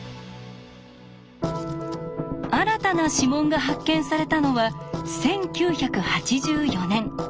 新たな指紋が発見されたのは１９８４年。